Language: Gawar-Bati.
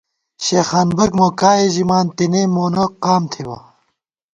شېخانبَک مو کائے ژِمان ، تېنے مونہ قام تھِبہ